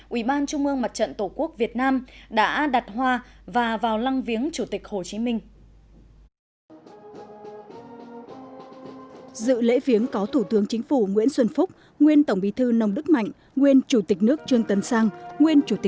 ủy ban trung mương mặt trận tổ quốc việt nam đã đặt hoa và vào lăng viếng chủ tịch hồ chí minh